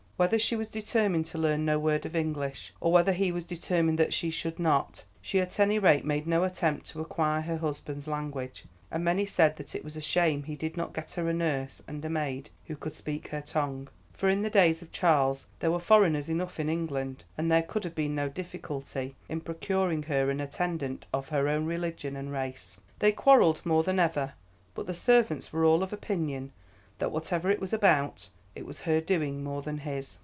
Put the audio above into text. Whether she was determined to learn no word of English, or whether he was determined that she should not, she at any rate made no attempt to acquire her husband's language, and many said that it was a shame he did not get her a nurse and a maid who could speak her tongue; for in the days of Charles there were foreigners enough in England, and there could have been no difficulty in procuring her an attendant of her own religion and race. "They quarrelled more than ever; but the servants were all of opinion that whatever it was about it was her doing more than his.